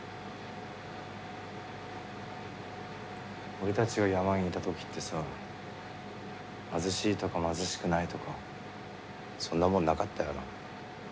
俺たちが山にいた時ってさ貧しいとか貧しくないとかそんなもんなかったよな。